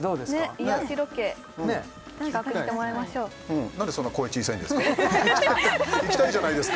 癒やしロケ企画してもらいましょう何でそんな声小さいんですか？